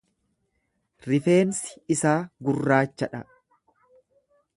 Rifeensi isaa gurraacha dha.